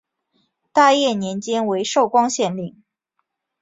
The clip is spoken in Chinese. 大业年间为寿光县令。